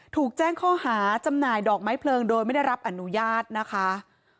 ถูกแจ้งข้อหาจำหน่ายดอกไม้เพลิงโดยไม่ได้รับอนุญาตนะคะ